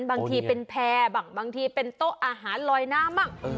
บางทีเป็นแพร่บางทีเป็นโต๊ะอาหารลอยน้ำ